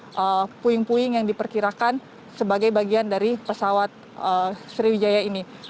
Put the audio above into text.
jadi ini adalah satu dari beberapa poin poin yang diperkirakan sebagai bagian dari pesawat sriwijaya ini